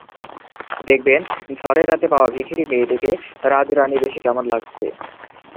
দেখবেন, ঝড়ের রাতে পাওয়া ভিখিরি মেয়েটিকে রাজরানীবেশে কেমন লাগছে।